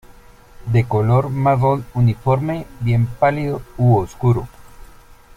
De color marrón uniforme, bien pálido u oscuro.